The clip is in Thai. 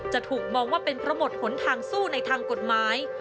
จะถูกมองว่าเป็นเพราะหมดหนทางสู้ในทางกฎหมาย